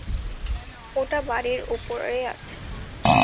ওটা বাড়ির ওপরে আছে।